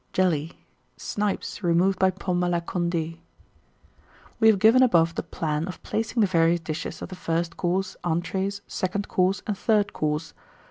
Jelly. Snipes, removed by Pommes à la Condé. We have given above the plan of placing the various dishes of the 1st Course, Entrées, 2nd Course, and 3rd Course.